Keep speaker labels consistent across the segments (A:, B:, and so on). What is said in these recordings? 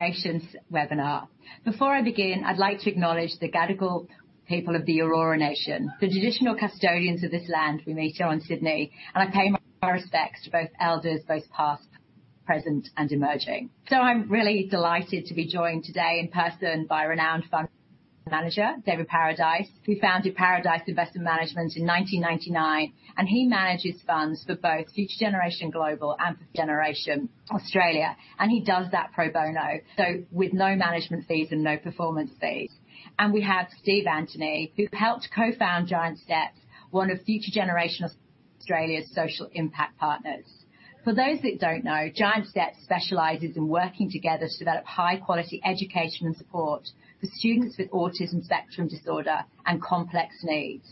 A: Patients webinar. Before I begin, I'd like to acknowledge the Gadigal people of the Eora Nation, the traditional custodians of this land we meet on Sydney, and I pay my respects to both elders, both past, present, and emerging. I'm really delighted to be joined today in person by renowned fund manager, David Paradice, who founded Paradice Investment Management in 1999, and he manages funds for both Future Generation Global and Future Generation Australia. He does that pro bono, so with no management fees and no performance fees. We have Geoff Wilson, who helped co-found Giant Steps, one of Future Generation Australia's social impact partners. For those that don't know, Giant Steps specializes in working together to develop high quality education and support for students with autism spectrum disorder and complex needs.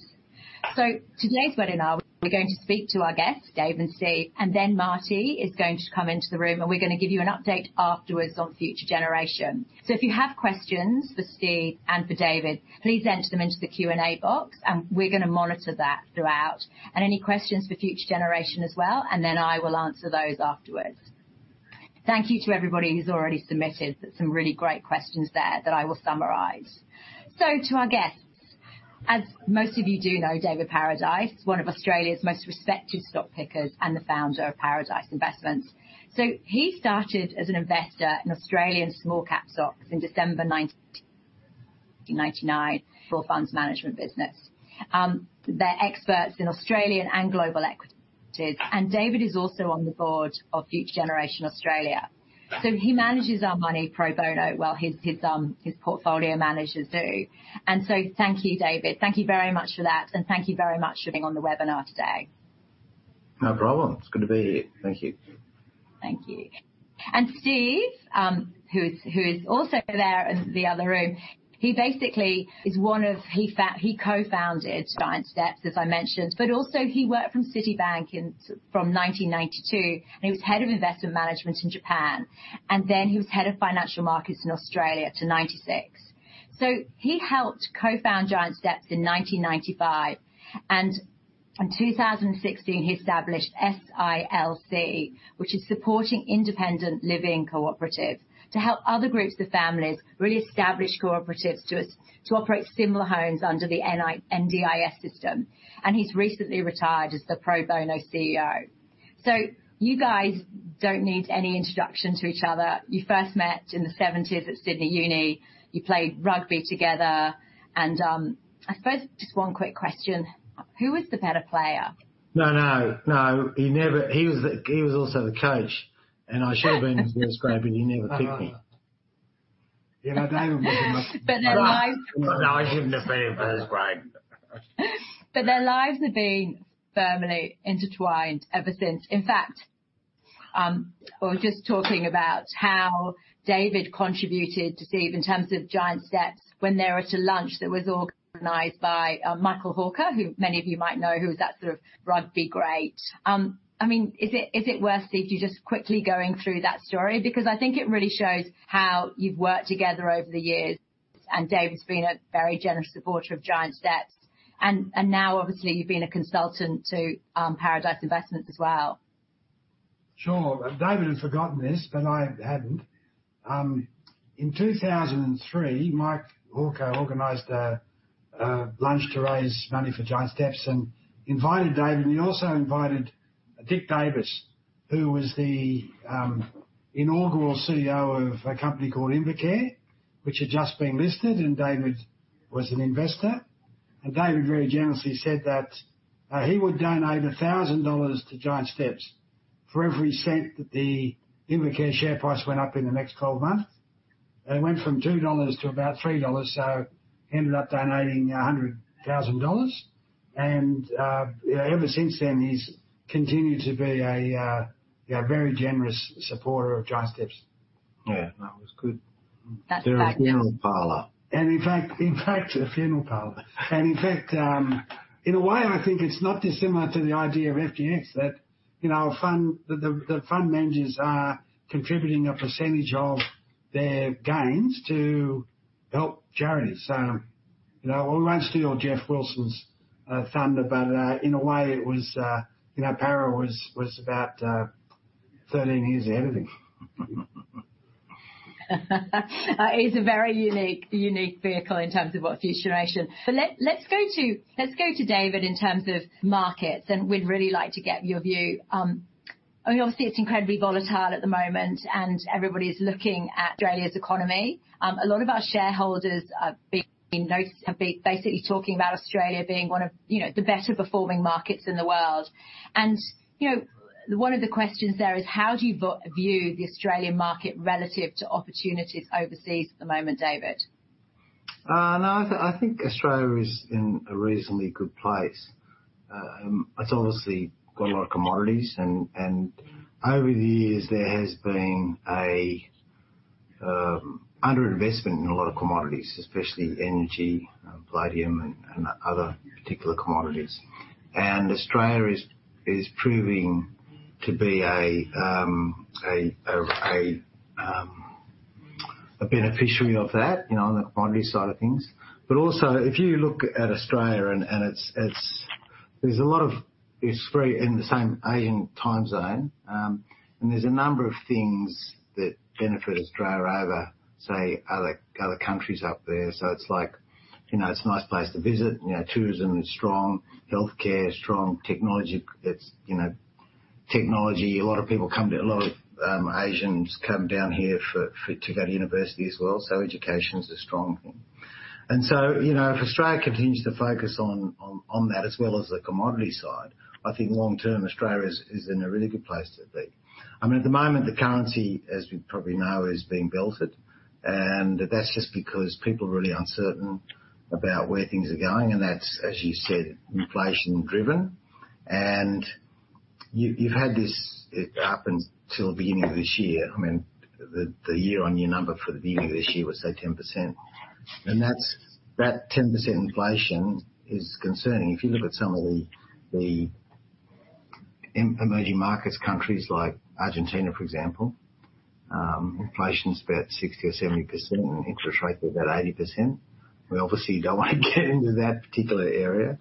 A: Today's webinar, we're going to speak to our guests, Dave and Steve, and then Marty is going to come into the room, and we're going to give you an update afterwards on Future Generation. If you have questions for Steve and for David, please enter them into the Q&A box, and we're going to monitor that throughout. Any questions for Future Generation as well, and then I will answer those afterwards. Thank you to everybody who's already submitted, there's some really great questions there that I will summarize. To our guests. As most of you do know, David Paradice, one of Australia's most respected stock pickers and the founder of Paradice Investments. He started as an investor in Australian small cap stocks in December 1999 for a funds management business. They're experts in Australian and global equities, and David is also on the board of Future Generation Australia. He manages our money pro bono while his portfolio managers do. Thank you, David. Thank you very much for that, and thank you very much for being on the webinar today.
B: No problem. It's good to be here. Thank you.
A: Thank you. Steve, who is also there in the other room. He co-founded Giant Steps, as I mentioned, but also he worked for Citibank in Sydney from 1992, and he was head of investment management in Japan. Then he was head of financial markets in Australia till 1996. He helped co-found Giant Steps in 1995, and in 2016, he established SILC, which is Supporting Independent Living Co-operative, to help other groups of families really establish cooperatives to operate similar homes under the NDIS system. He's recently retired as the pro bono CEO. You guys don't need any introduction to each other. You first met in the seventies at Sydney Uni. You played rugby together. I suppose just one quick question, who was the better player?
C: No. He was also the coach, and I should have been, but he never picked me. You know, David.
A: Their lives.
B: No, I shouldn't have been in first grade.
A: Their lives have been firmly intertwined ever since. In fact, we were just talking about how David contributed to Steve in terms of Giant Steps when they were at a lunch that was organized by, Michael Hawker, who many of you might know, who was that sort of rugby great. Is it worth, Steve, to just quickly going through that story? Because I think it really shows how you've worked together over the years, and David's been a very generous supporter of Giant Steps. Now, obviously, you've been a consultant to, Paradice Investments as well.
C: Sure. David had forgotten this, but I hadn't. In 2003, Mike Hawker organized a lunch to raise money for Giant Steps and invited David, and he also invited Dick Davis, who was the inaugural CEO of a company called InvoCare, which had just been listed, and David was an investor. David very generously said that he would donate $1,000 to Giant Steps for every cent that the InvoCare share price went up in the next 12 months. It went from $2 to about $3, so he ended up donating $100,000. Ever since then, he's continued to be a very generous supporter of Giant Steps.
B: Yeah. No, it was good.
A: That's fabulous.
B: They're a funeral parlor.
C: In fact, a funeral parlor. In fact, in a way, I think it's not dissimilar to the idea of FGX that, you know, a fund, the fund managers are contributing a percentage of their gains to help charities. You know, we'll rather steal Geoff Wilson's thunder, but in a way it was, you know, Paradice was about 13 years ahead of him.
A: It's a very unique vehicle in terms of what's Future Generation. Let's go to David in terms of markets, and we'd really like to get your view. I mean, obviously it's incredibly volatile at the moment and everybody's looking at Australia's economy. A lot of our shareholders have been basically talking about Australia being one of, you know, the better performing markets in the world. You know, one of the questions there is. How do you view the Australian market relative to opportunities overseas at the moment, David?
B: No, I think Australia is in a reasonably good place. It's obviously got a lot of commodities and over the years there has been underinvestment in a lot of commodities, especially energy, Paladin and other particular commodities. Australia is proving to be a beneficiary of that, you know, on the commodity side of things. Also, if you look at Australia, it's very in the same Asian time zone. There's a number of things that benefit Australia over, say other countries up there. It's like, you know, it's a nice place to visit. You know, tourism is strong, healthcare is strong, technology, you know, technology. A lot of people come to. A lot of Asians come down here for to go to university as well. Education is a strong thing. You know, if Australia continues to focus on that as well as the commodity side, I think long term Australia is in a really good place to be. I mean, at the moment the currency, as you probably know, is being belted and that's just because people are really uncertain about where things are going and that's, as you said, inflation driven. You've had this up until beginning of this year. I mean, the year-on-year number for the beginning of this year was say 10%. That 10% inflation is concerning. If you look at some of the emerging markets, countries like Argentina, for example, inflation is about 60% or 70% and interest rates are about 80%. We obviously don't want to get into that particular area,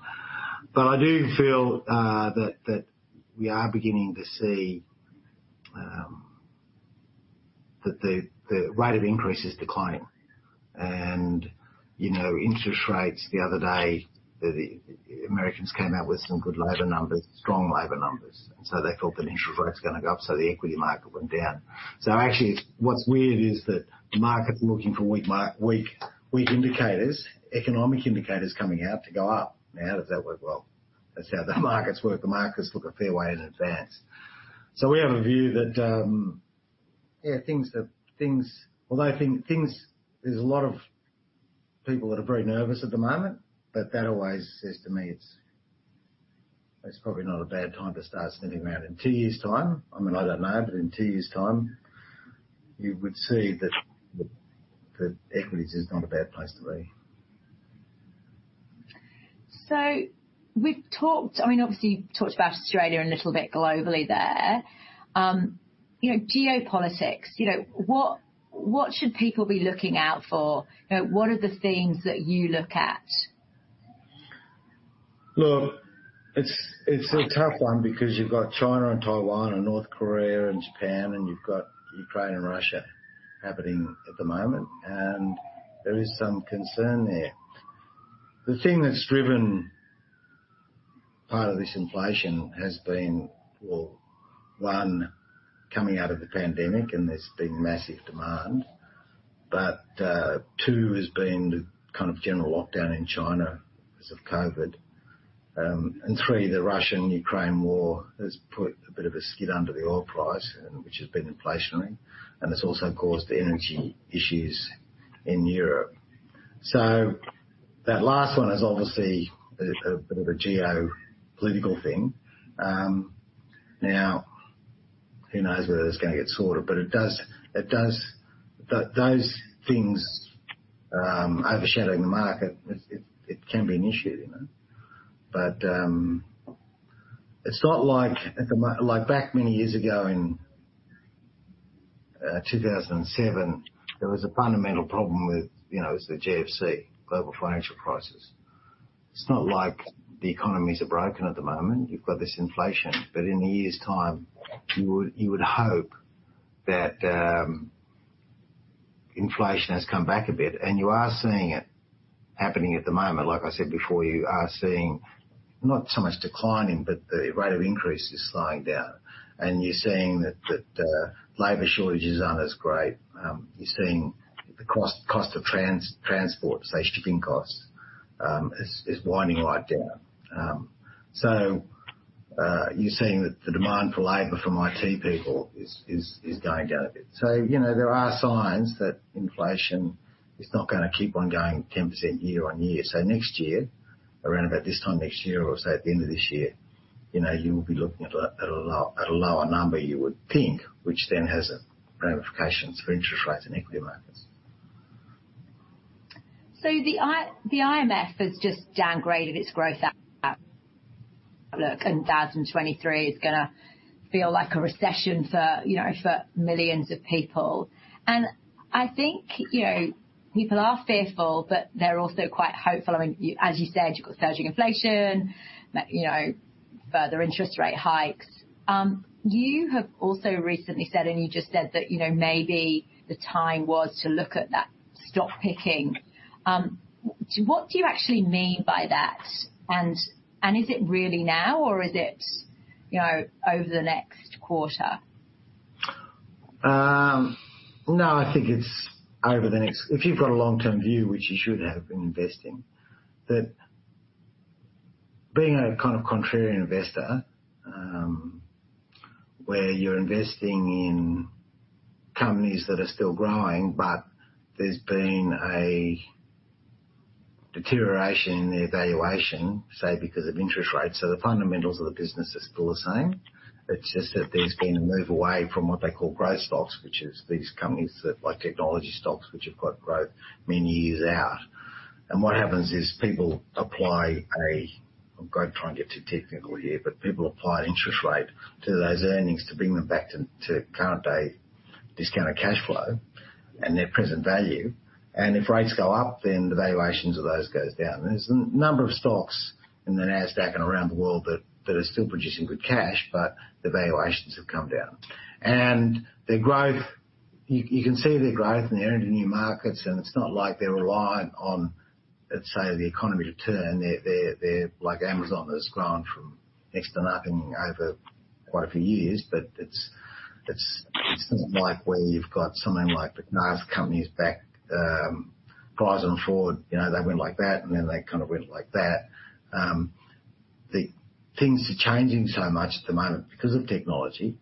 B: but I do feel that we are beginning to see that the rate of increase is declining. You know, interest rates the other day, the Americans came out with some good labor numbers, strong labor numbers, and so they thought that interest rates are going to go up, so the equity market went down. Actually what's weird is that the market's looking for weak economic indicators coming out to go up. Now how does that work? Well, that's how the markets work. The markets look a fair way in advance. We have a view that yeah, things. Although there's a lot of people that are very nervous at the moment, but that always says to me it's probably not a bad time to start spinning around. In two years' time, I mean, I don't know, but in two years' time you would see that equities is not a bad place to be.
A: We've talked, I mean obviously you've talked about Australia and a little bit globally there. You know, geopolitics, you know, what should people be looking out for? You know, what are the things that you look at?
B: Look, it's a tough one because you've got China and Taiwan and North Korea and Japan and you've got Ukraine and Russia happening at the moment. There is some concern there. The thing that's driven part of this inflation has been, well, one, coming out of the pandemic and there's been massive demand. Two has been the kind of general lockdown in China because of COVID. And three, the Russian-Ukraine war has put a bit of a skid under the oil price and which has been inflationary and it's also caused energy issues in Europe. So that last one is obviously a bit of a geopolitical thing. Now who knows whether it's going to get sorted, but it does. Those things overshadowing the market, it can be an issue, you know. It's not like back many years ago in 2007, there was a fundamental problem with, you know, it was the GFC, global financial crisis. It's not like the economies are broken at the moment. You've got this inflation, but in a year's time you would hope that inflation has come back a bit and you are seeing it happening at the moment. Like I said before, you are seeing not so much declining, but the rate of increase is slowing down and you're seeing that labor shortages aren't as great. You're seeing the cost of transport, say shipping costs, is winding right down. You're seeing that the demand for labor from IT people is going down a bit. You know, there are signs that inflation is not going to keep on going 10% year on year. Next year, around about this time next year, or say at the end of this year, you know, you'll be looking at a lower number you would think, which then has ramifications for interest rates and equity markets.
A: The IMF has just downgraded its growth outlook and 2023 is going to feel like a recession for, you know, for millions of people. I think, you know, people are fearful, but they're also quite hopeful. I mean, as you said, you've got surging inflation, you know, further interest rate hikes. You have also recently said, and you just said that, you know, maybe the time was to look at that stock picking. What do you actually mean by that? Is it really now or is it, you know, over the next quarter?
B: No, I think it's over the next. If you've got a long-term view, which you should have in investing, that being a kind of contrarian investor, where you're investing in companies that are still growing, but there's been a deterioration in the valuation, say because of interest rates. The fundamentals of the business are still the same, it's just that there's been a move away from what they call growth stocks, which is these companies that, like technology stocks, which have got growth many years out. What happens is people apply. I'm going to try and get too technical here, but people apply an interest rate to those earnings to bring them back to current day, discounted cash flow and their present value. If rates go up, then the valuations of those goes down. There's a number of stocks in the Nasdaq and around the world that are still producing good cash, but the valuations have come down. Their growth, you can see their growth and they're entering new markets, and it's not like they're reliant on, let's say, the economy to turn. They're like Amazon that has grown from next to nothing over quite a few years. It's not like where you've got something like the Nasdaq companies back, Pfizer and Ford, you know, they went like that, and then they kind of went like that. The things are changing so much at the moment because of technology,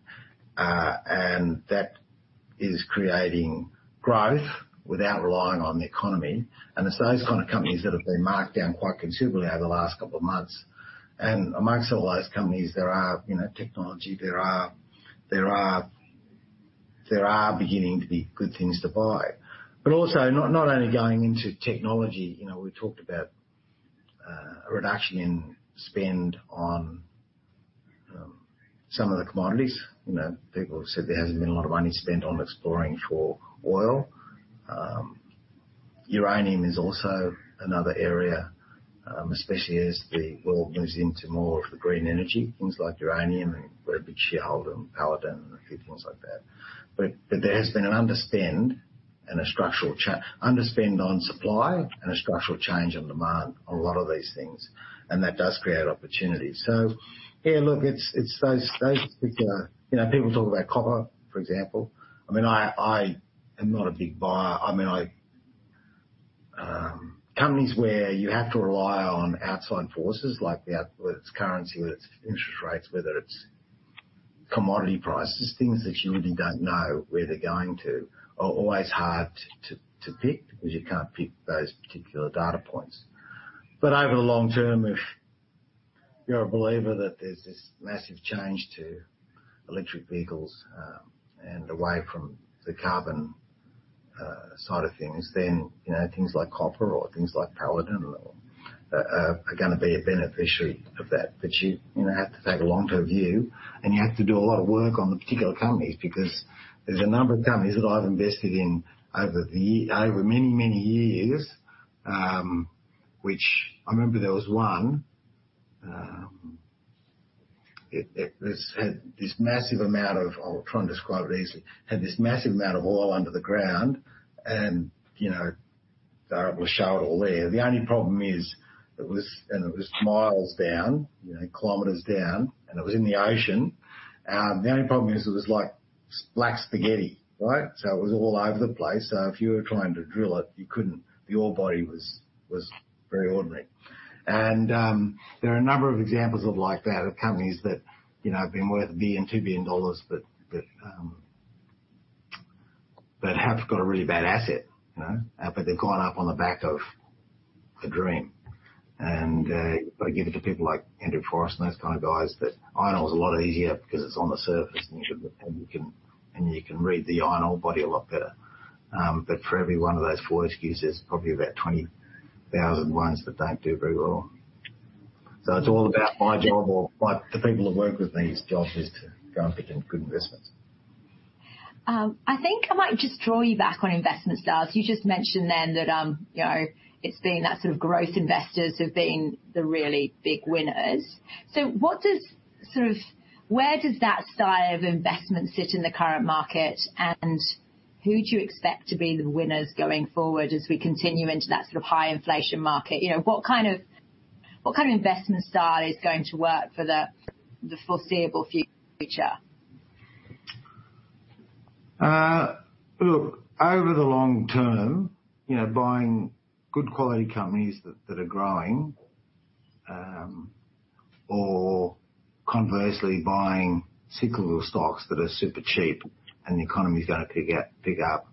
B: and that is creating growth without relying on the economy. It's those kind of companies that have been marked down quite considerably over the last couple of months. Among all those companies, there are, you know, technology beginning to be good things to buy. Also not only going into technology, you know, we talked about a reduction in spend on some of the commodities. You know, people have said there hasn't been a lot of money spent on exploring for oil. Uranium is also another area, especially as the world moves into more of the green energy, things like uranium and Boss and Paladin and a few things like that. There has been an underspend on supply and a structural change on demand on a lot of these things, and that does create opportunity. Yeah, look, it's those. You know, people talk about copper, for example. I mean, I am not a big buyer. I mean, companies where you have to rely on outside forces whether it's currency, whether it's interest rates, whether it's commodity prices, things that you really don't know where they're going to, are always hard to pick because you can't pick those particular data points. Over the long term, if you're a believer that there's this massive change to electric vehicles and away from the carbon side of things, then, you know, things like copper or things like Paladin or are going to be a beneficiary of that. You know have to take a long-term view, and you have to do a lot of work on the particular companies because there's a number of companies that I've invested in over the year, over many, many years, which I remember there was one, it had this massive amount of oil under the ground and, you know, they're able to show it all there. The only problem is it was miles down, kilometers down, and it was in the ocean. The only problem is it was like splat spaghetti, right? So if you were trying to drill it, you couldn't. The oil body was very ordinary. There are a number of examples of like that, of companies that, you know, have been worth $1 billion, $2 billion, but have got a really bad asset, you know. But they've gone up on the back of a dream. I give it to people like Andrew Forrest and those kind of guys that iron ore is a lot easier because it's on the surface, and you can read the iron ore body a lot better. But for every one of those Fortescue, there's probably about 20,000 ones that don't do very well. It's all about my job or the people that work with me's job is to go and pick the good investments.
A: I think I might just draw you back on investment styles. You just mentioned then that, you know, it's been that sort of growth investors have been the really big winners. Where does that style of investment sit in the current market? And who do you expect to be the winners going forward as we continue into that sort of high inflation market? You know, what kind of investment style is going to work for the foreseeable future?
B: Look, over the long term, you know, buying good quality companies that are growing, or conversely buying cyclical stocks that are super cheap and the economy's going to pick up,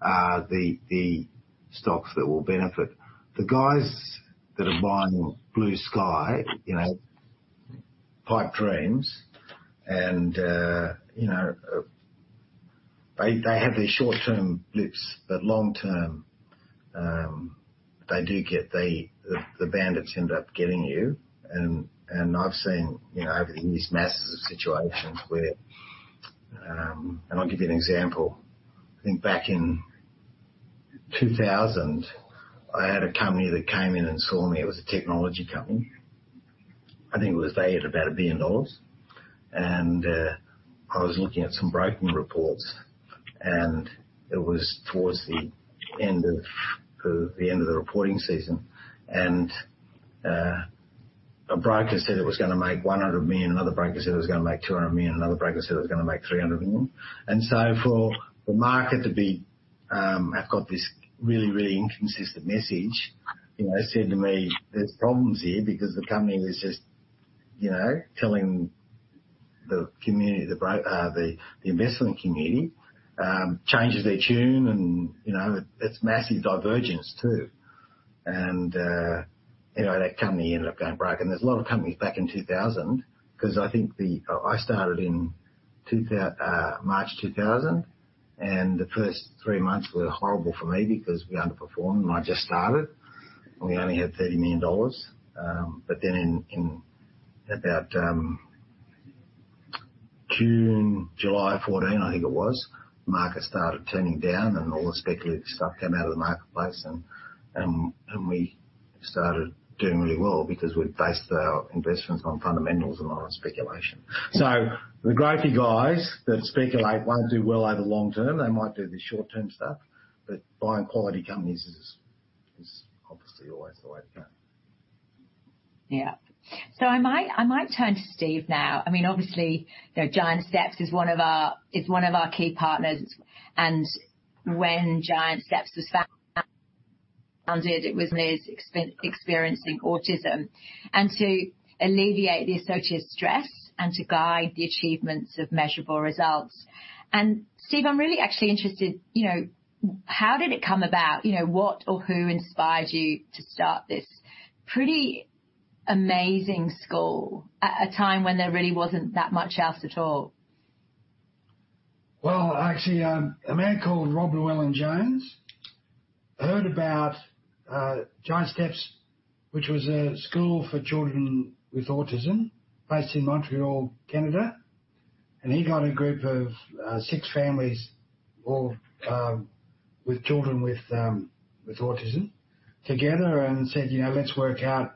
B: are the stocks that will benefit. The guys that are buying blue sky, you know, pipe dreams and, you know, they have these short term blips, but long term, they do get the bandits end up getting you. I've seen, you know, over the years, masses of situations where, and I'll give you an example. I think back in 2000, I had a company that came in and saw me. It was a technology company. I think it was, they had about $1 billion. I was looking at some broker reports, and it was towards the end of the end of the reporting season. A broker said it was going to make 100 million, another broker said it was going to make 200 million, another broker said it was going to make 300 million. For the market to be, I've got this really, really inconsistent message, you know, said to me, "There's problems here," because the company was just, you know, telling the community, the investment community, changes their tune and, you know, it's massive divergence too. You know, that company ended up going broke. There's a lot of companies back in 2000, 'cause I think I started in 2000. March 2000, the first three months were horrible for me because we underperformed, and I just started, and we only had 30 million, but then in About June, July 2014, I think it was, market started turning down and all the speculative stuff came out of the marketplace and we started doing really well because we based our investments on fundamentals and not on speculation. The gravy guys that speculate won't do well over long term. They might do the short term stuff, but buying quality companies is obviously always the way to go.
A: Yeah. I might turn to Geoff Wilson now. I mean, obviously, you know, Giant Steps is one of our key partners, and when Giant Steps was founded, it was experiencing autism and to alleviate the associated stress and to guide the achievements of measurable results. Geoff Wilson, I'm really actually interested, you know, how did it come about? You know, what or who inspired you to start this pretty amazing school at a time when there really wasn't that much else at all?
C: Well, actually, a man called Rob Llewellyn-Jones heard about Giant Steps, which was a school for children with autism based in Montreal, Canada, and he got a group of six families, all with children with autism together and said, you know, "Let's work out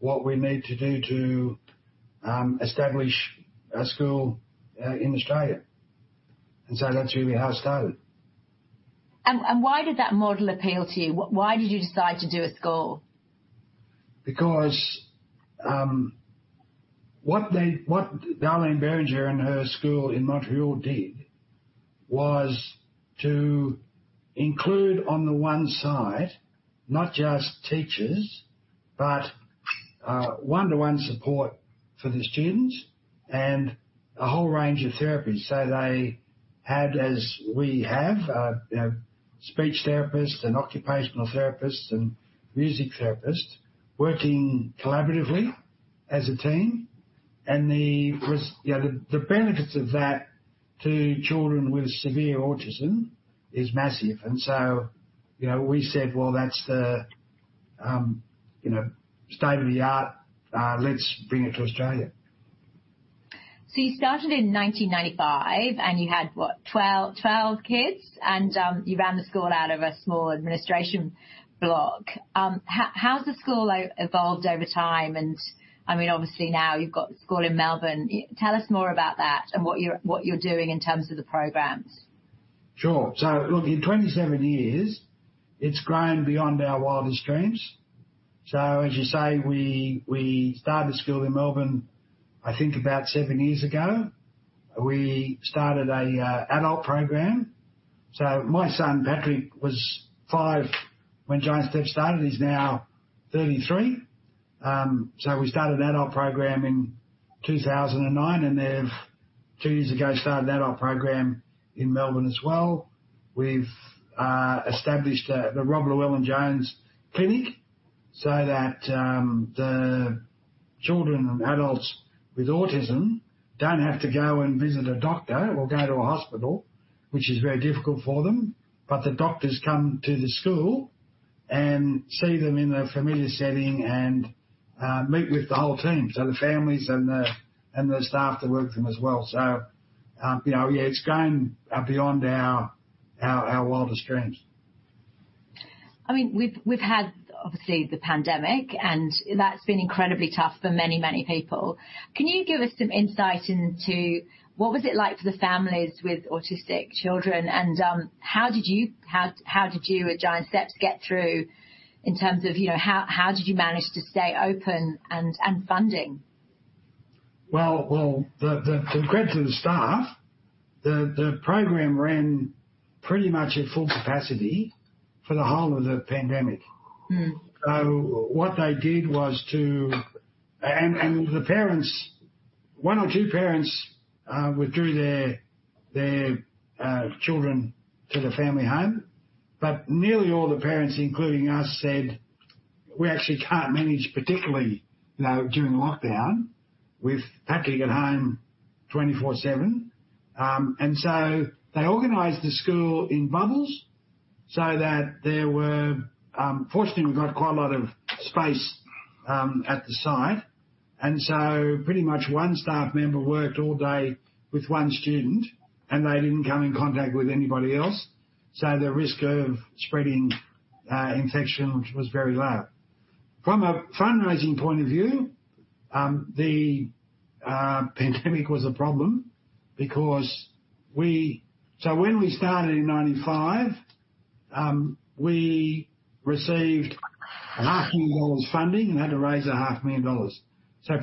C: what we need to do to establish a school in Australia." That's really how it started.
A: Why did that model appeal to you? Why did you decide to do a school?
C: Because what Darlene Berringer and her school in Montreal did was to include on the one side, not just teachers, but one-to-one support for the students and a whole range of therapies. They had, as we have, you know, speech therapists and occupational therapists and music therapists working collaboratively as a team. The benefits of that to children with severe autism is massive. You know, we said, "Well, that's the you know state-of-the-art. Let's bring it to Australia.
A: You started in 1995 and you had what? 12 kids and you ran the school out of a small administration block. How's the school evolved over time and I mean, obviously now you've got school in Melbourne. Tell us more about that and what you're doing in terms of the programs.
C: Sure. Look, in 27 years it's grown beyond our wildest dreams. As you say, we started school in Melbourne I think about seven years ago. We started a adult program. My son Patrick was five when Giant Steps started. He's now 33. We started adult program in 2009, and then two years ago started adult program in Melbourne as well. We've established the Rob Llewellyn-Jones Clinic so that the children and adults with autism don't have to go and visit a doctor or go to a hospital, which is very difficult for them. The doctors come to the school and see them in a familiar setting and meet with the whole team, so the families and the staff that work with them as well. You know, yeah, it's gone beyond our wildest dreams.
A: I mean, we've had obviously the pandemic and that's been incredibly tough for many, many people. Can you give us some insight into what was it like for the families with autistic children and how did you at Giant Steps get through in terms of, you know, how did you manage to stay open and funding?
C: Well, the credit to the staff, the program ran pretty much at full capacity for the whole of the pandemic.
A: Mm-hmm.
C: What they did was the parents, one or two parents, would draw their children to the family home. Nearly all the parents, including us, said, "We actually can't manage," particularly, you know, during lockdown with Patrick at home twenty-four seven. They organized the school in bubbles so that there were, fortunately, we've got quite a lot of space at the site, and pretty much one staff member worked all day with one student, and they didn't come in contact with anybody else. The risk of spreading infection was very low. From a fundraising point of view, the pandemic was a problem because when we started in 1995, we received a half million dollars funding and had to raise a half million dollars.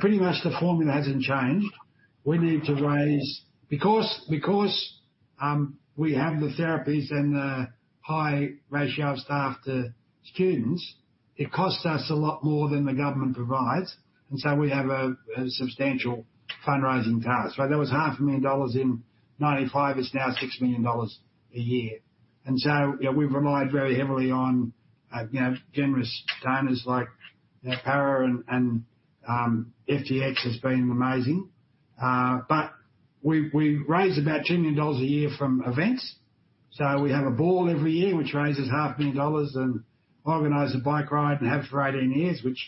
C: Pretty much the formula hasn't changed. We need to raise because we have the therapies and the high ratio of staff to students, it costs us a lot more than the government provides, and so we have a substantial fundraising task. Right, that was $500 million dollars in 1995, it's now $6 million a year. You know, we've relied very heavily on, you know, generous donors like Paradice and FGX has been amazing. But we raise about $2 million a year from events. We have a ball every year which raises AUD half a million dollars and organize a bike ride and have for 18 years, which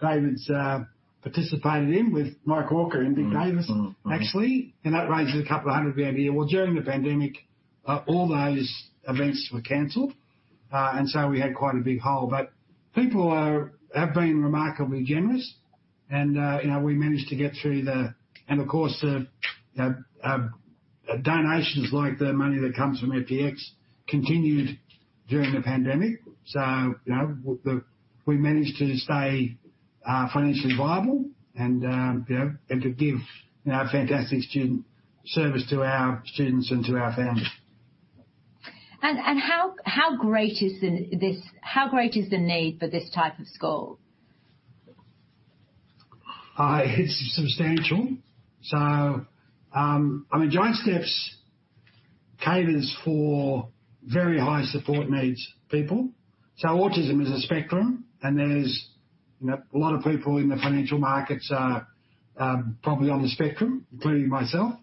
C: David has participated in with Mike Hawker and Dick Davis actually.
B: Mm-hmm. Mm-hmm.
C: That raises a couple of hundred grand a year. During the pandemic, all those events were canceled, and we had quite a big hole. People have been remarkably generous and, you know, we managed to get through. Of course, the donations like the money that comes from FGX continued during the pandemic. You know, we managed to stay financially viable and, you know, to give a fantastic student service to our students and to our families.
A: How great is the need for this type of school?
C: It's substantial. I mean, Giant Steps caters for very high support needs people. Autism is a spectrum, and there's, you know, a lot of people in the financial markets are probably on the spectrum, including myself.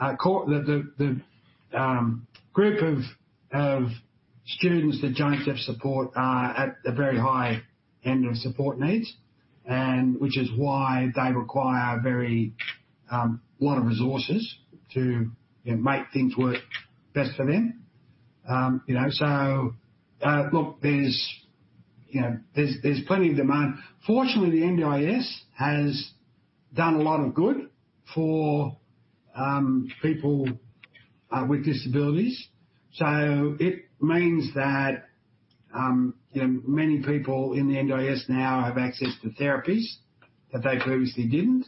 C: The group of students that Giant Steps support are at the very high end of support needs and which is why they require a very lot of resources to, you know, make things work best for them. You know, look, there's, you know, there's plenty of demand. Fortunately, the NDIS has done a lot of good for people with disabilities. It means that, you know, many people in the NDIS now have access to therapies that they previously didn't.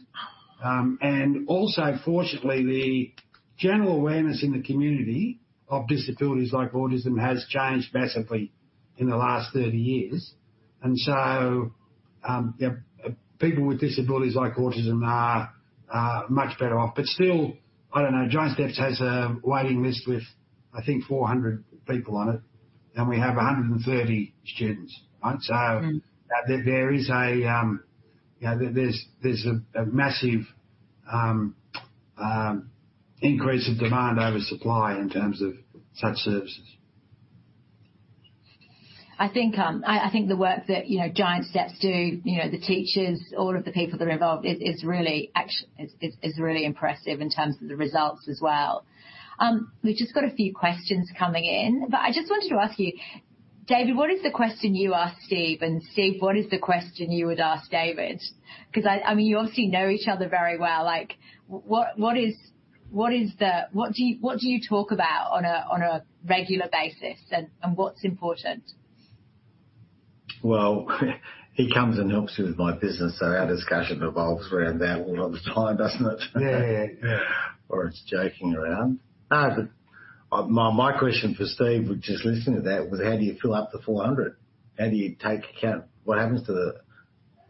C: Fortunately, the general awareness in the community of disabilities like autism has changed massively in the last 30 years. You know, people with disabilities like autism are much better off. Still, I don't know, Giant Steps has a waiting list with, I think, 400 people on it, and we have 130 students, right?
A: Mm-hmm.
C: There is a, you know, massive increase of demand over supply in terms of such services.
A: I think the work that, you know, Giant Steps do, you know, the teachers, all of the people that are involved is really impressive in terms of the results as well. We've just got a few questions coming in, but I just wanted to ask you, David, what is the question you ask Steve, and Steve, what is the question you would ask David? 'Cause I mean, you obviously know each other very well. Like, what is the... What do you talk about on a regular basis, and what's important?
B: Well, he comes and helps me with my business, so our discussion revolves around that all the time, doesn't it?
C: Yeah, yeah.
B: It's joking around.
C: No, but.
B: My question for Steve, just listening to that, was how do you fill up the 400? How do you take into account? What happens to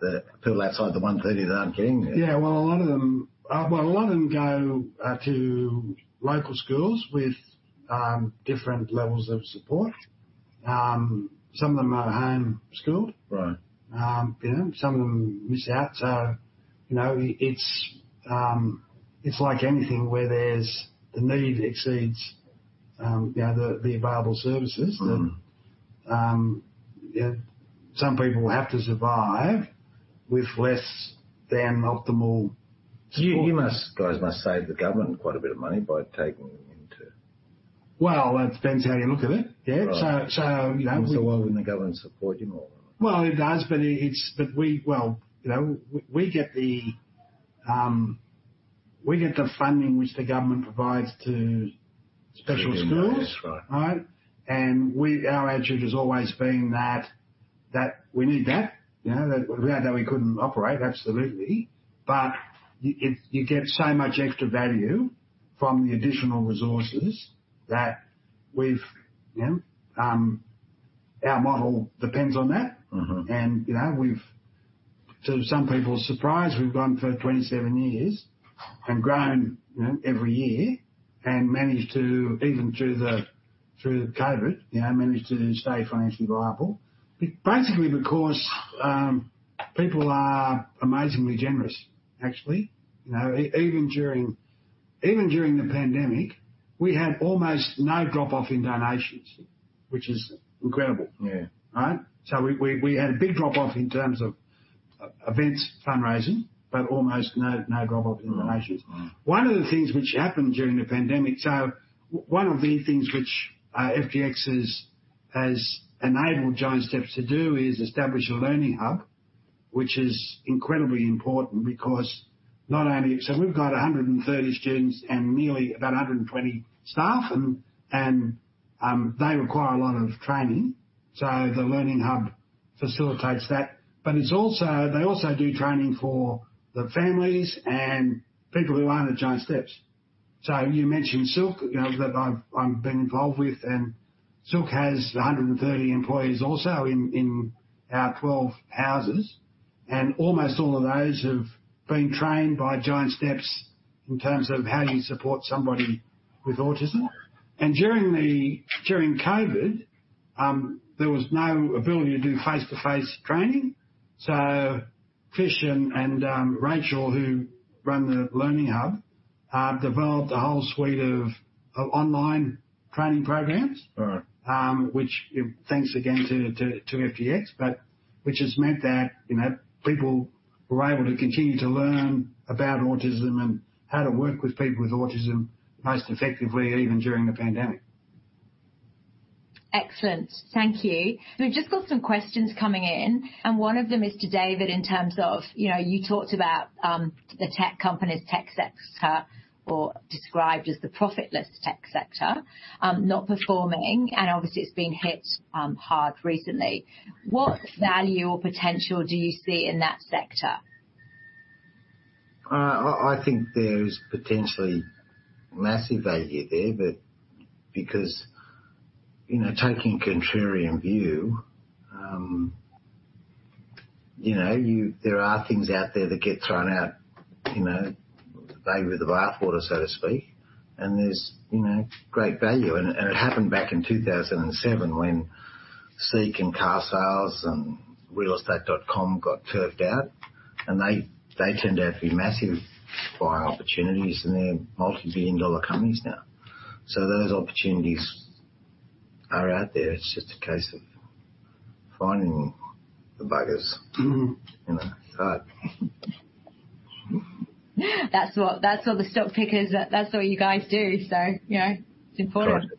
B: the people outside the 130 that aren't getting there?
C: Yeah. Well, a lot of them go to local schools with different levels of support. Some of them are home-schooled.
B: Right.
C: You know, some of them miss out. You know, it's like anything where the need exceeds the available services that-
B: Mm.
C: You know, some people have to survive with less than optimal support.
B: You guys must save the government quite a bit of money by taking them into.
C: Well, that depends how you look at it. Yeah.
B: Right.
C: You know.
B: Why wouldn't the government support you more?
C: Well, it does, but it's. Well, you know, we get the funding which the government provides to special schools.
B: Special needs. Right.
C: Right? Our attitude has always been that we need that, you know, that without that we couldn't operate, absolutely. But you get so much extra value from the additional resources that we've, you know, our model depends on that.
B: Mm-hmm.
C: You know, we've, to some people's surprise, we've gone for 27 years and grown, you know, every year and managed to even through COVID, you know, managed to stay financially viable. Basically because people are amazingly generous, actually. You know, even during the pandemic, we had almost no drop-off in donations, which is incredible.
B: Yeah.
C: Right? We had a big drop-off in terms of events fundraising, but almost no drop-off in donations.
B: Mm-hmm. Mm.
C: One of the things which happened during the pandemic. FGX has enabled Giant Steps to do is establish a learning hub, which is incredibly important because not only. We've got 130 students and nearly about 120 staff, and they require a lot of training, so the learning hub facilitates that. They also do training for the families and people who aren't at Giant Steps. You mentioned SILC, you know, that I've been involved with, and SILC has 130 employees also in our 12 houses, and almost all of those have been trained by Giant Steps in terms of how you support somebody with autism. During COVID, there was no ability to do face-to-face training. Chris and Rachel, who run the learning hub, developed a whole suite of online training programs.
B: Right.
C: which, you know, thanks again to FGX, but which has meant that, you know, people were able to continue to learn about autism and how to work with people with autism most effectively, even during the pandemic.
A: Excellent. Thank you. We've just got some questions coming in, and one of them is to David in terms of, you know, you talked about, the tech companies, tech sector or described as the profitless tech sector, not performing, and obviously it's been hit, hard recently. What value or potential do you see in that sector?
B: I think there's potentially massive value there, but because, you know, taking a contrarian view, you know, there are things out there that get thrown out, you know, the baby with the bathwater, so to speak, and there's, you know, great value. It happened back in 2007 when SEEK and carsales.com and realestate.com got turfed out, and they turned out to be massive buying opportunities, and they're multibillion-dollar companies now. Those opportunities are out there. It's just a case of finding the buggers.
C: Mm-hmm.
B: You know?
A: That's what the stock pickers, that's what you guys do. You know, it's important.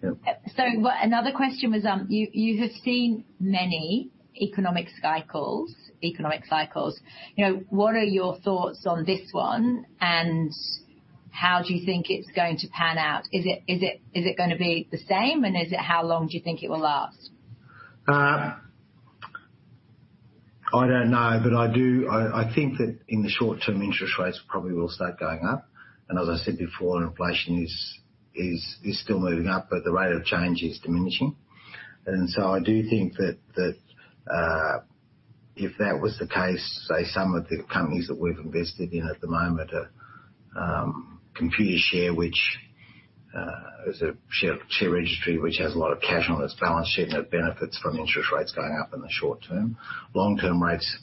B: Correct. Yep.
A: Another question was, you have seen many economic cycles, you know, what are your thoughts on this one, and how do you think it's going to pan out? Is it going to be the same? How long do you think it will last?
B: I don't know, but I do. I think that in the short term, interest rates probably will start going up, and as I said before, inflation is still moving up, but the rate of change is diminishing. I do think that if that was the case, say, some of the companies that we've invested in at the moment are Computershare, which is a share registry, which has a lot of cash on its balance sheet, and it benefits from interest rates going up in the short term. Long-term rates,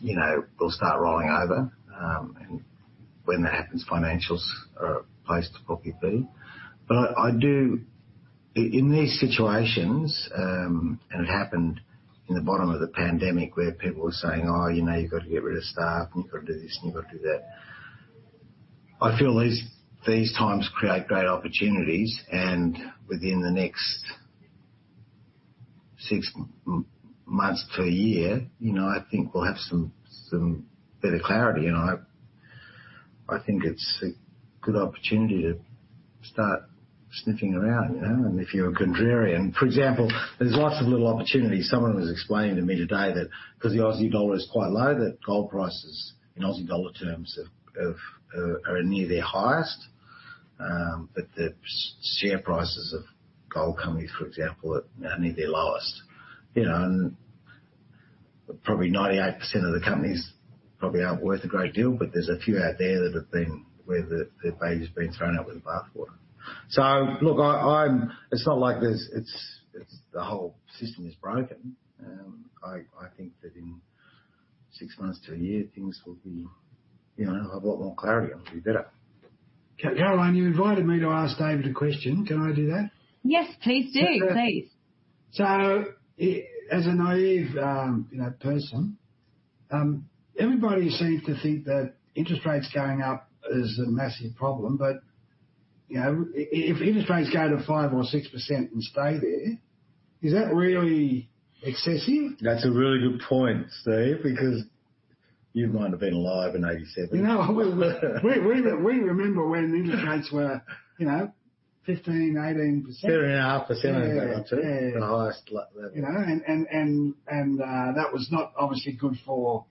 B: you know, will start rolling over, and when that happens, financials are a place to probably be. But I do. In these situations, it happened in the bottom of the pandemic where people were saying, "Oh, you know, you've got to get rid of staff and you've got to do this and you've got to do that." I feel these times create great opportunities and within the next six months to a year, you know, I think we'll have some better clarity and I think it's a good opportunity to start sniffing around, you know. If you're a contrarian. For example, there's lots of little opportunities. Someone was explaining to me today that 'cause the Aussie dollar is quite low, that gold prices in Aussie dollar terms are near their highest, but the share prices of gold companies, for example, are near their lowest, you know. Probably 98% of the companies probably aren't worth a great deal, but there's a few out there that have been where the baby's been thrown out with the bathwater. Look, it's not like there's. It's the whole system is broken. I think that in six months to a year, things will be, you know, a lot more clarity. It'll be better.
C: Carolyn, you invited me to ask David a question. Can I do that?
A: Yes, please do. Please.
C: As a naive, you know, person, everybody seems to think that interest rates going up is a massive problem. You know, if interest rates go to 5% or 6% and stay there, is that really excessive?
B: That's a really good point, Steve, because you might have been alive in 1987.
C: No, we remember when interest rates were, you know, 15, 18%.
B: 13.5%, I think.
C: Yeah. Yeah.
B: The highest level.
C: You know, that was not obviously good for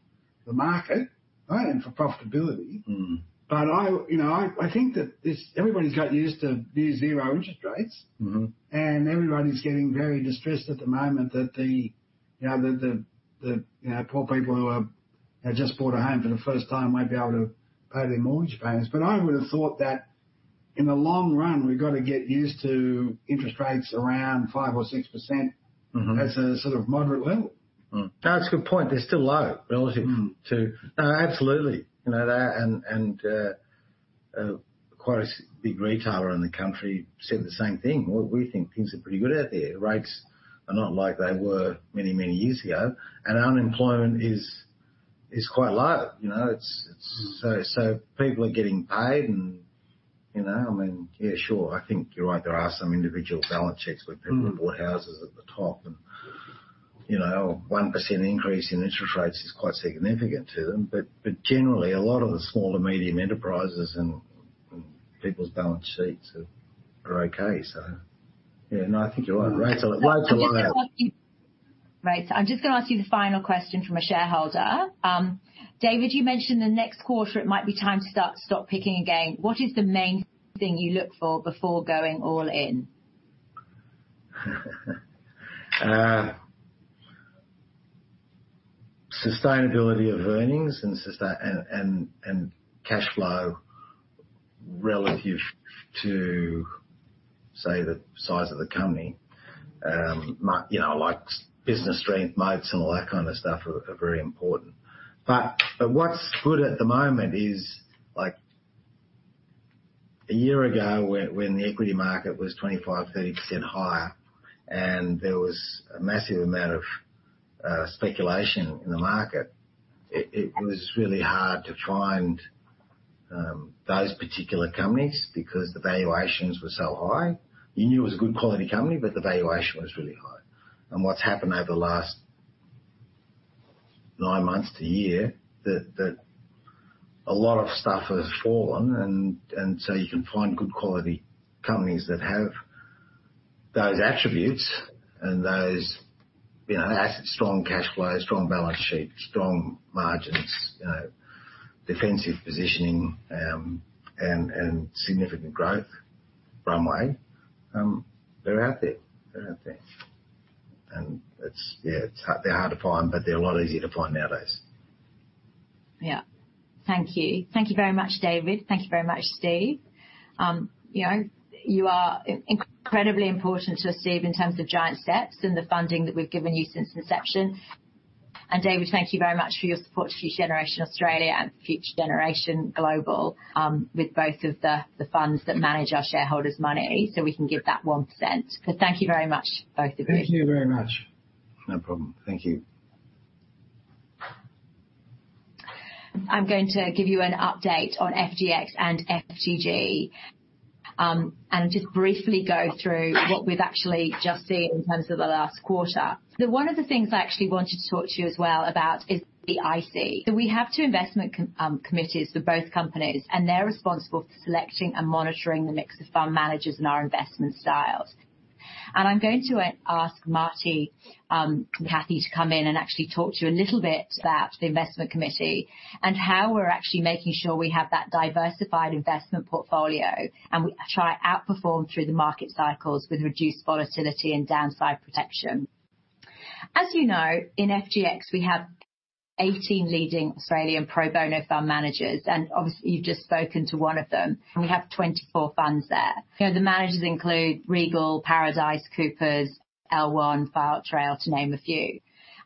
C: the market, right? For profitability.
B: Mm-hmm.
C: I, you know, think that this everybody's got used to near zero interest rates.
B: Mm-hmm.
C: Everybody's getting very distressed at the moment that, you know, the poor people who have just bought a home for the first time won't be able to pay their mortgage payments. I would've thought that in the long run, we've got to get used to interest rates around 5% or 6%.
B: Mm-hmm.
C: as a sort of moderate level.
B: No, that's a good point. They're still low relative-
C: Mm.
B: No, absolutely. You know, that and quite a big retailer in the country said the same thing. We think things are pretty good out there. Rates are not like they were many, many years ago. Unemployment is quite low. You know, it's
C: Mm.
B: people are getting paid and, you know, I mean, yeah, sure, I think you're right, there are some individual balance sheets.
C: Mm.
B: Where people have bought houses at the top and, you know, 1% increase in interest rates is quite significant to them. Generally, a lot of the small to medium enterprises and people's balance sheets are okay, so. Yeah, no, I think you're right. Rates are low.
A: Right. I'm just going to ask you the final question from a shareholder. David, you mentioned the next quarter it might be time to start stock picking again. What is the main thing you look for before going all in?
B: Sustainability of earnings and cash flow relative to, say, the size of the company, you know, like business strength moats and all that kind of stuff are very important. What's good at the moment is, like, a year ago when the equity market was 25%-30% higher and there was a massive amount of speculation in the market, it was really hard to find those particular companies because the valuations were so high. You knew it was a good quality company, but the valuation was really high. What's happened over the last nine months to a year, that a lot of stuff has fallen and so you can find good quality companies that have those attributes and those, you know, asset. strong cash flow, strong balance sheet, strong margins, you know, defensive positioning, and significant growth runway. They're out there. Yeah, it's hard, they're hard to find, but they're a lot easier to find nowadays.
A: Yeah. Thank you. Thank you very much, David. Thank you very much, Steve. You know, you are incredibly important to us, Steve, in terms of Giant Steps and the funding that we've given you since inception. David, thank you very much for your support to Future Generation Australia and Future Generation Global, with both of the funds that manage our shareholders' money, so we can give that 1%. Thank you very much, both of you.
B: Thank you very much. No problem. Thank you.
A: I'm going to give you an update on FGX and FGG, and just briefly go through what we've actually just seen in terms of the last quarter. One of the things I actually wanted to talk to you as well about is the IC. We have two investment committees for both companies, and they're responsible for selecting and monitoring the mix of fund managers and our investment styles. I'm going to ask Marty and Cathy to come in and actually talk to you a little bit about the investment committee and how we're actually making sure we have that diversified investment portfolio, and we try to outperform through the market cycles with reduced volatility and downside protection. As you know, in FGX, we have 18 leading Australian pro bono fund managers, and obviously you've just spoken to one of them. We have 24 funds there. You know, the managers include Regal, Paradice, Cooper, L1, Firetrail, to name a few.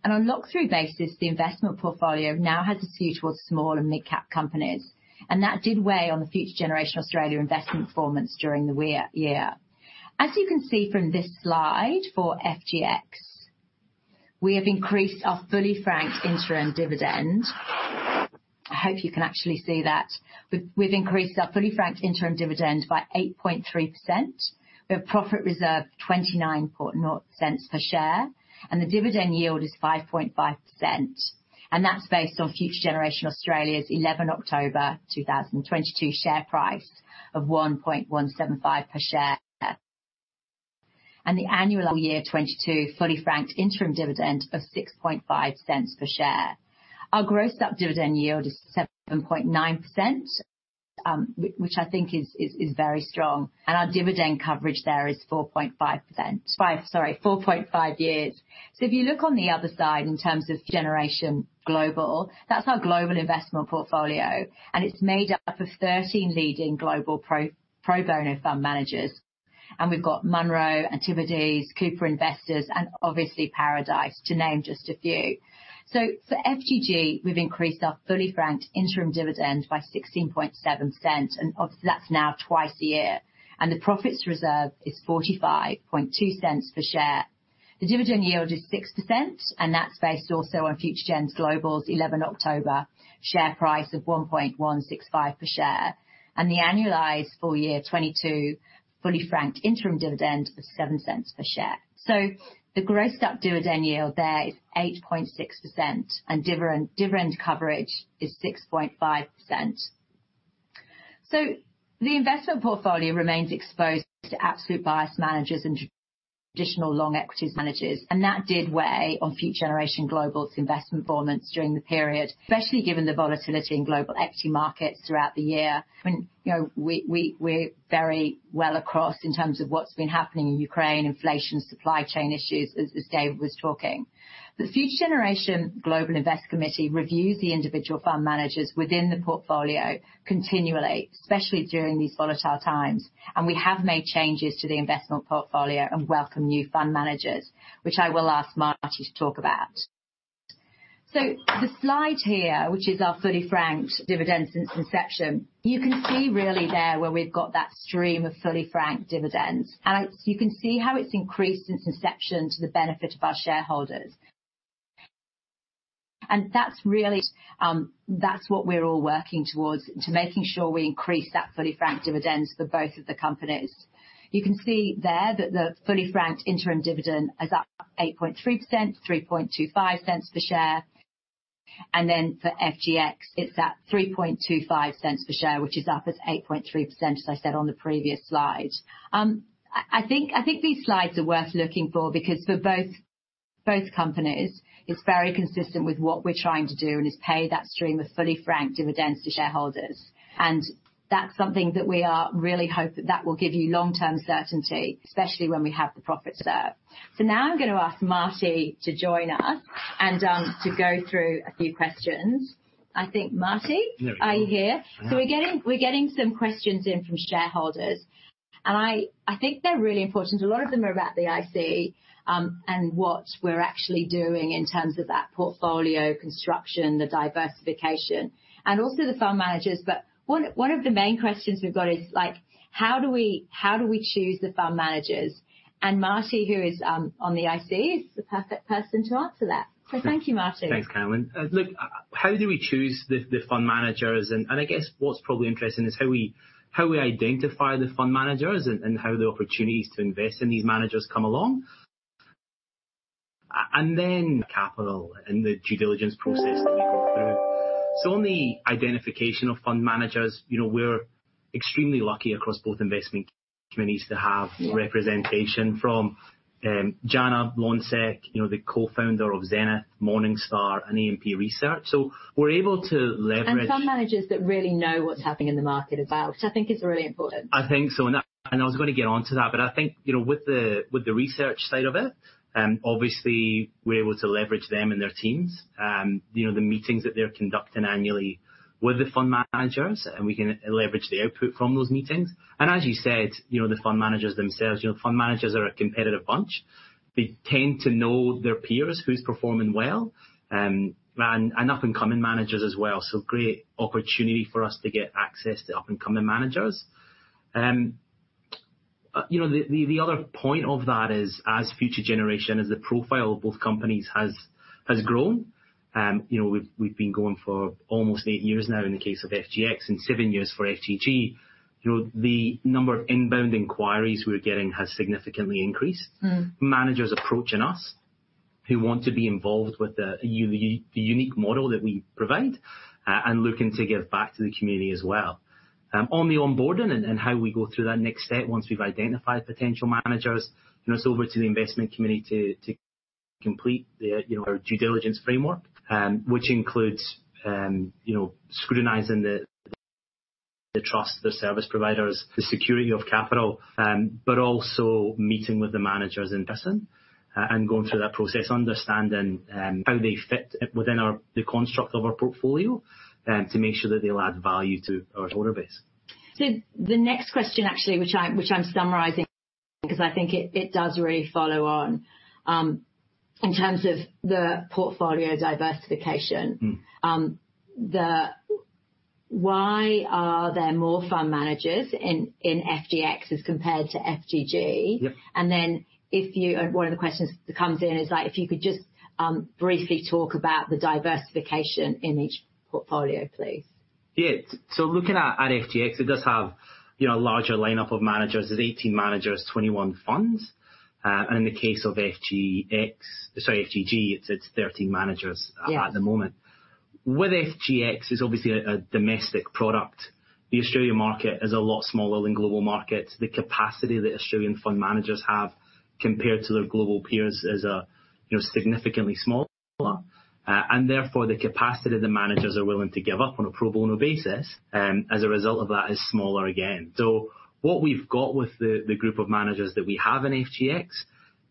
A: On a look-through basis, the investment portfolio now has a skew towards small and mid-cap companies, and that did weigh on the Future Generation Australia investment performance during the year. As you can see from this slide, for FGX, we have increased our fully franked interim dividend. I hope you can actually see that. We've increased our fully franked interim dividend by 8.3%. We have profit reserve of 0.29 per share, and the dividend yield is 5.5%. That's based on Future Generation Australia's 11 October 2022 share price of 1.175 per share. The annual year 2022 fully franked interim dividend of 0.065 per share. Our grossed up dividend yield is 7.9%, which I think is very strong. Our dividend coverage there is 4.5 years. If you look on the other side in terms of Future Generation Global, that's our global investment portfolio, and it's made up of 13 leading global pro bono fund managers. We've got Munro, Antipodes, Cooper Investors, and obviously Paradice, to name just a few. For FGG, we've increased our fully franked interim dividend by 16.7%, and obviously that's now twice a year. The profits reserve is 0.452 per share. The dividend yield is 6%, and that's based also on Future Generation Global's 11 October share price of 1.165 per share. The annualized full year 2022 fully franked interim dividend is 0.07 per share. The grossed up dividend yield there is 8.6%, and dividend coverage is 6.5%. The investment portfolio remains exposed to absolute return managers and traditional long equities managers, and that did weigh on Future Generation Global's investment performance during the period, especially given the volatility in global equity markets throughout the year. I mean, you know, we're very well across in terms of what's been happening in Ukraine, inflation, supply chain issues, as David was talking. The Future Generation Global Investment Committee reviews the individual fund managers within the portfolio continually, especially during these volatile times. We have made changes to the investment portfolio and welcome new fund managers, which I will ask Marty to talk about. The slide here, which is our fully franked dividend since inception, you can see really there where we've got that stream of fully franked dividends. You can see how it's increased since inception to the benefit of our shareholders. That's really, that's what we're all working towards, to making sure we increase that fully franked dividends for both of the companies. You can see there that the fully franked interim dividend is up 8.3%, 0.0325 per share. For FGX, it's at 0.0325 per share, which is up at 8.3%, as I said on the previous slide. I think these slides are worth looking for because for both companies, it's very consistent with what we're trying to do and is pay that stream of fully franked dividends to shareholders. That's something that we really hope that will give you long-term certainty, especially when we have the profits there. Now I'm going to ask Marty to join us and to go through a few questions. I think, Marty-
D: There we go.
A: Are you here?
D: I am.
A: We're getting some questions in from shareholders, and I think they're really important. A lot of them are about the IC, and what we're actually doing in terms of that portfolio construction, the diversification and also the fund managers. One of the main questions we've got is how do we choose the fund managers? Marty, who is on the IC, is the perfect person to answer that.
D: Sure.
A: Thank you, Marty.
D: Thanks, Carolyn. Look, how do we choose the fund managers and I guess what's probably interesting is how we identify the fund managers and how the opportunities to invest in these managers come along. And then capital and the due diligence process that we go through. On the identification of fund managers, you know, we're extremely lucky across both investment committees to have-
A: Yeah.
D: representation from JANA, Lonsec, you know, the co-founder of Zenith, Morningstar, and AMP Capital. We're able to leverage-
A: Fund managers that really know what's happening in the market as well, which I think is really important.
D: I think so. I was going to get on to that. I think, you know, with the research side of it, obviously we're able to leverage them and their teams, you know, the meetings that they're conducting annually with the fund managers, and we can leverage the output from those meetings. As you said, you know, the fund managers themselves, you know, fund managers are a competitive bunch. They tend to know their peers, who's performing well, and up-and-coming managers as well. Great opportunity for us to get access to up-and-coming managers. You know, the other point of that is, as Future Generation, as the profile of both companies has grown, you know, we've been going for almost eight years now in the case of FGX, and seven years for FGG. You know, the number of inbound inquiries we're getting has significantly increased.
A: Mm.
D: Managers approaching us, who want to be involved with the unique model that we provide and looking to give back to the community as well. On the onboarding and how we go through that next step once we've identified potential managers, you know, it's over to the investment committee to complete our due diligence framework, which includes scrutinizing the trust, the service providers, the security of capital, but also meeting with the managers in person and going through that process, understanding how they fit within our the construct of our portfolio to make sure that they'll add value to our shareholder base.
A: The next question actually, which I'm summarizing because I think it does really follow on in terms of the portfolio diversification.
D: Mm.
A: Why are there more fund managers in FGX as compared to FGG?
D: Yep.
A: One of the questions that comes in is, like, if you could just briefly talk about the diversification in each portfolio, please.
D: Looking at FGX, it does have a larger lineup of managers. There's 18 managers, 21 funds. In the case of FGX, sorry, FGG, it's 13 managers.
A: Yes
D: At the moment. With FGX, it's obviously a domestic product. The Australian market is a lot smaller than global markets. The capacity that Australian fund managers have compared to their global peers is, you know, significantly smaller. And therefore the capacity the managers are willing to give up on a pro bono basis, as a result of that, is smaller again. What we've got with the group of managers that we have in FGX,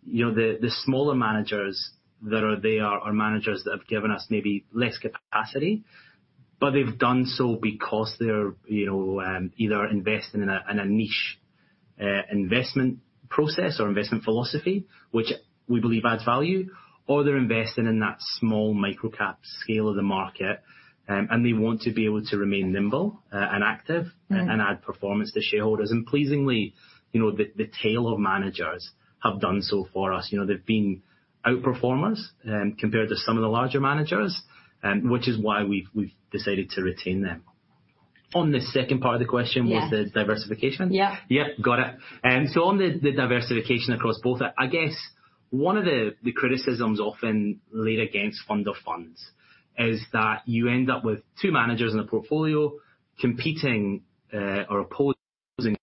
D: you know, the smaller managers that are there are managers that have given us maybe less capacity, but they've done so because they're, you know, either investing in a niche, investment process or investment philosophy, which we believe adds value, or they're investing in that small micro-cap scale of the market and they want to be able to remain nimble and active.
A: Mm-hmm
D: add performance to shareholders. Pleasingly, you know, the tail of managers have done so for us. You know, they've been out-performers, compared to some of the larger managers, which is why we've decided to retain them. On the second part of the question.
A: Yeah.
D: What was the diversification?
A: Yeah.
D: Yeah. Got it. On the diversification across both, I guess one of the criticisms often laid against fund of funds is that you end up with two managers in the portfolio competing, or opposing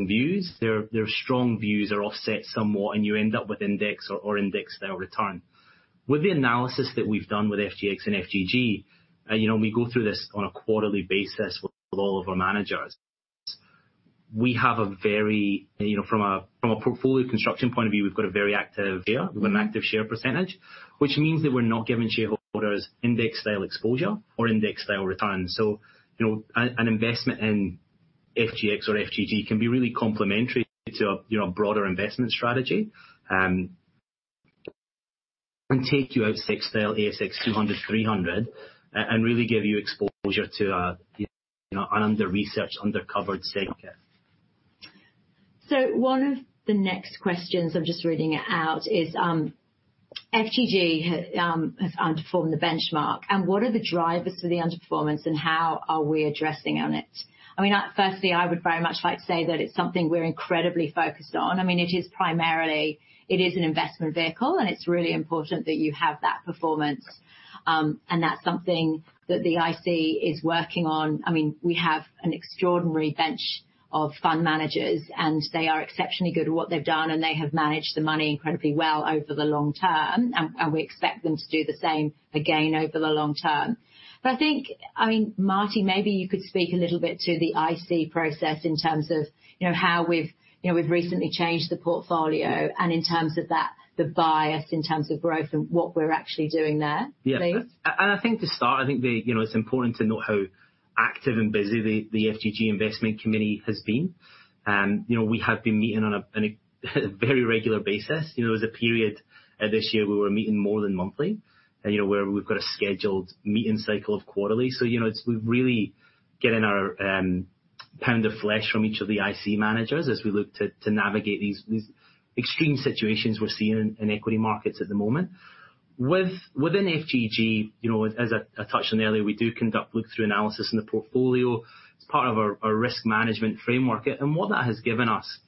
D: views. Their strong views are offset somewhat, and you end up with index or index style return. With the analysis that we've done with FGX and FGG, you know, and we go through this on a quarterly basis with all of our managers. We have a very, you know, from a portfolio construction point of view, we've got a very active share.
A: Mm-hmm.
D: We have an active share percentage, which means that we're not giving shareholders index style exposure or index style returns. You know, an investment in FGX or FGG can be really complementary to, you know, a broader investment strategy, and take you out of the ASX 200, 300 and really give you exposure to a, you know, an under-researched, under-covered sector.
A: One of the next questions, I'm just reading it out, is FGG has underperformed the benchmark. What are the drivers for the underperformance and how are we addressing on it? I mean, firstly, I would very much like to say that it's something we're incredibly focused on. I mean, it is primarily. It is an investment vehicle, and it's really important that you have that performance. And that's something that the IC is working on. I mean, we have an extraordinary bench of fund managers, and they are exceptionally good at what they've done, and they have managed the money incredibly well over the long term, and we expect them to do the same again over the long term. I think. I mean, Marty, maybe you could speak a little bit to the IC process in terms of, you know, how we've, you know, we've recently changed the portfolio and in terms of that, the bias in terms of growth and what we're actually doing there.
D: Yeah.
A: Please.
D: I think to start, I think it's important to note how active and busy the FGG investment committee has been. You know, we have been meeting on a very regular basis. You know, there was a period this year we were meeting more than monthly. You know, where we've got a scheduled meeting cycle of quarterly. You know, it's. We're really getting our pound of flesh from each of the IC managers as we look to navigate these extreme situations we're seeing in equity markets at the moment. Within FGG, you know, as I touched on earlier, we do conduct look-through analysis in the portfolio. It's part of our risk management framework. What that has given us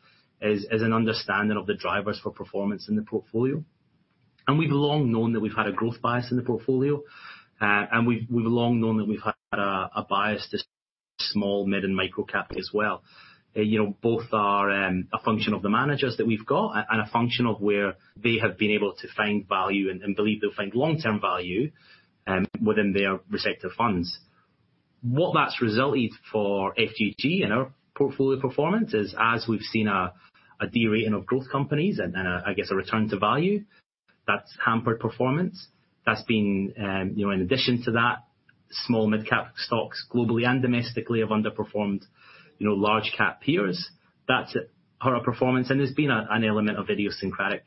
D: is an understanding of the drivers for performance in the portfolio. We've long known that we've had a growth bias in the portfolio. We've long known that we've had a bias to small, mid, and micro-cap as well. You know, both are a function of the managers that we've got and a function of where they have been able to find value and believe they'll find long-term value within their respective funds. What that's resulted for FGG in our portfolio performance is, as we've seen a de-rating of growth companies and I guess a return to value, that's hampered performance. In addition to that, small mid cap stocks, globally and domestically, have underperformed, you know, large cap peers. That's hurt our performance, and there's been an element of idiosyncratic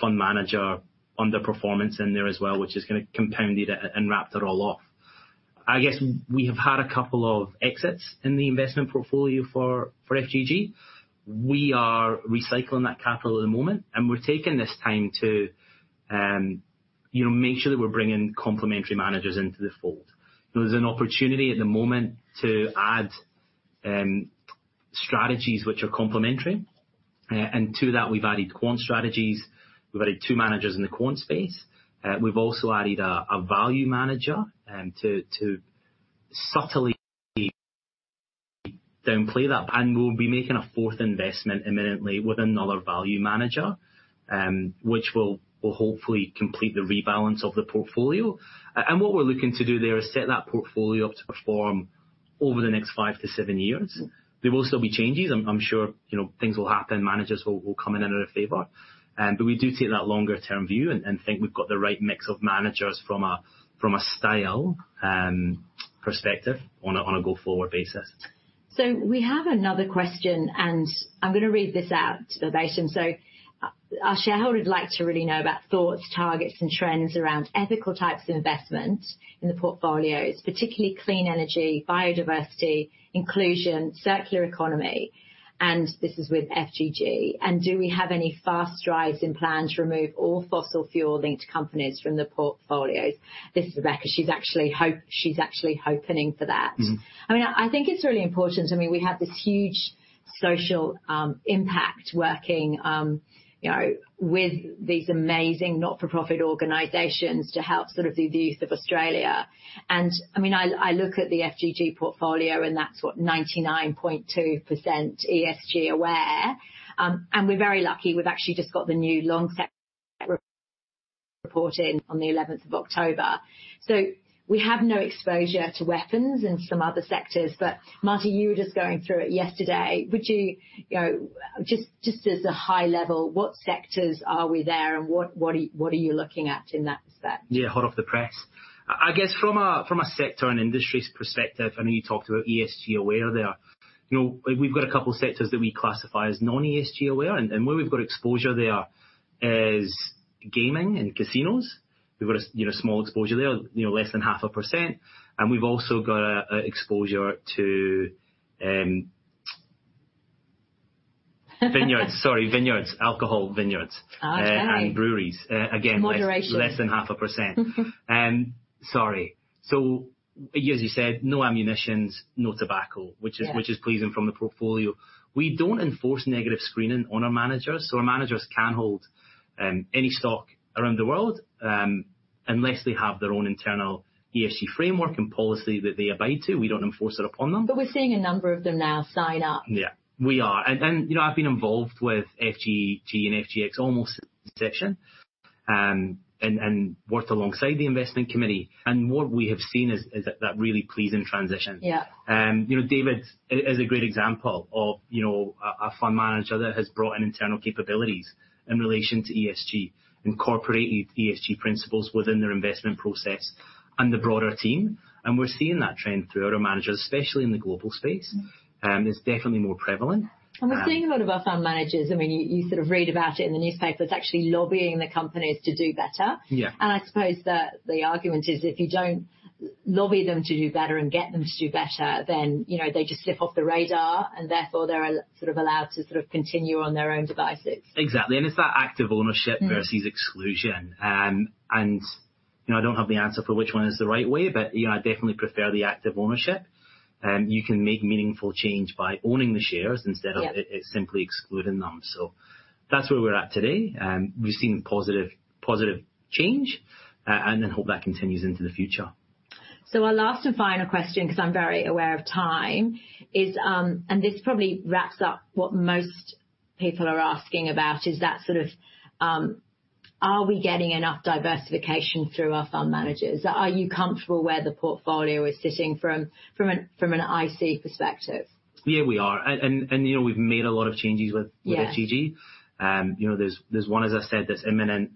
D: fund manager underperformance in there as well, which is compounded it and wrapped it all off. I guess we have had a couple of exits in the investment portfolio for FGG. We are recycling that capital at the moment, and we're taking this time to, you know, make sure that we're bringing complementary managers into the fold. There's an opportunity at the moment to add strategies which are complementary. To that we've added quant strategies. We've added two managers in the quant space. We've also added a value manager to subtly downplay that. We'll be making a fourth investment imminently with another value manager, which will hopefully complete the rebalance of the portfolio. What we're looking to do there is set that portfolio up to perform over the next five to seven years. There will still be changes. I'm sure, you know, things will happen, managers will come in and out of favor. We do take that longer term view and think we've got the right mix of managers from a style perspective on a go-forward basis.
A: We have another question, and I'm going to read this out to the panel. Our shareholder would like to really know about thoughts, targets, and trends around ethical types of investment in the portfolios, particularly clean energy, biodiversity, inclusion, circular economy, and this is with FGG. Do we have any plans to remove all fossil fuel-linked companies from the portfolios? This is Rebecca. She's actually hoping for that.
D: Mm-hmm.
A: I mean, I think it's really important. I mean, we have this huge social impact working, you know, with these amazing not-for-profit organizations to help sort of the youth of Australia. I mean, I look at the FGG portfolio and that's what 99.2% ESG aware. We're very lucky, we've actually just got the new Lonsec sector reporting on the eleventh of October. We have no exposure to weapons and some other sectors. Marty, you were just going through it yesterday, would you know, just as a high level, what sectors are we there and what are you looking at in that respect?
D: Yeah, hot off the press. I guess from a sector and industries perspective, I know you talked about ESG aware there. You know, we've got a couple of sectors that we classify as non-ESG aware, and where we've got exposure there is gaming and casinos. We've got a small exposure there, you know, less than 0.5%. We've also got exposure to vineyards. Sorry, vineyards. Alcohol vineyards.
A: Oh, okay.
D: Breweries.
A: Moderation.
D: Less than 0.5%. Sorry. As you said, no ammunition, no tobacco-
A: Yeah.
D: Which is pleasing from the portfolio. We don't enforce negative screening on our managers. Our managers can hold any stock around the world, unless they have their own internal ESG framework and policy that they abide to. We don't enforce it upon them.
A: We're seeing a number of them now sign up.
D: Yeah. We are. You know, I've been involved with FGG and FGX almost since inception, and worked alongside the investment committee. What we have seen is that really pleasing transition.
A: Yeah.
D: You know, David is a great example of, you know, a fund manager that has brought in internal capabilities in relation to ESG, incorporated ESG principles within their investment process and the broader team. We're seeing that trend through other managers, especially in the global space.
A: Mm-hmm.
D: It's definitely more prevalent.
A: We're seeing a lot of our fund managers, I mean, you sort of read about it in the newspapers, actually lobbying the companies to do better.
D: Yeah.
A: I suppose the argument is, if you don't lobby them to do better and get them to do better, then, you know, they just slip off the radar, and therefore they're all sort of allowed to sort of continue on their own devices.
D: Exactly. It's that active ownership.
A: Mm.
D: Versus exclusion. You know, I don't have the answer for which one is the right way, but, you know, I definitely prefer the active ownership. You can make meaningful change by owning the shares instead of.
A: Yeah.
D: Simply excluding them. That's where we're at today. We've seen positive change, and then hope that continues into the future.
A: Our last and final question, 'cause I'm very aware of time, is, and this probably wraps up what most people are asking about, is that sort of are we getting enough diversification through our fund managers? Are you comfortable where the portfolio is sitting from an IC perspective?
D: Yeah, we are. You know, we've made a lot of changes with-
A: Yeah.
D: FGG. You know, there's one, as I said, that's imminent.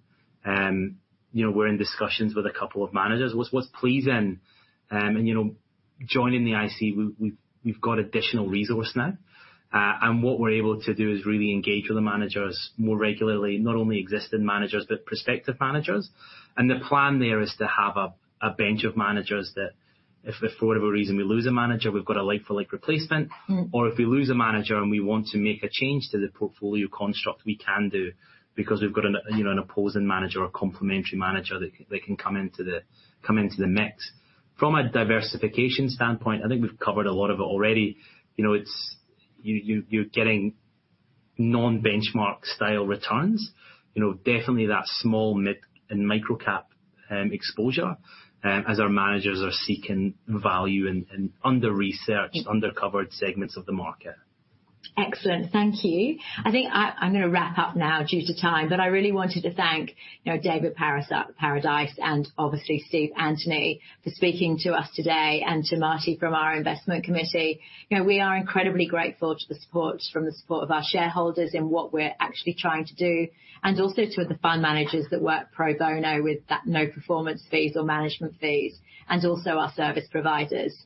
D: You know, we're in discussions with a couple of managers. What's pleasing, and you know, joining the IC, we've got additional resource now. What we're able to do is really engage with the managers more regularly, not only existing managers but prospective managers. The plan there is to have a bench of managers that if for whatever reason we lose a manager, we've got a like-for-like replacement.
A: Mm.
D: If we lose a manager and we want to make a change to the portfolio construct, we can do because we've got you know an opposing manager or complementary manager that can come into the mix. From a diversification standpoint, I think we've covered a lot of it already. You know, it's you you're getting non-benchmark style returns. You know, definitely that small mid and micro-cap exposure as our managers are seeking value in under-researched
A: Mm.
D: Undercovered segments of the market.
A: Excellent. Thank you. I think I'm going to wrap up now due to time, but I really wanted to thank, you know, David Paradice and obviously Geoff Wilson for speaking to us today and to Marty from our investment committee. You know, we are incredibly grateful to the support of our shareholders in what we're actually trying to do, and also to the fund managers that work pro bono with no performance fees or management fees, and also our service providers.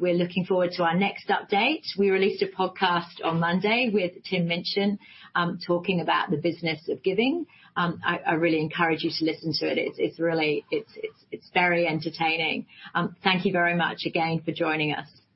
A: We're looking forward to our next update. We released a podcast on Monday with Tim Minchin, talking about the business of giving. I really encourage you to listen to it. It's really very entertaining. Thank you very much again for joining us.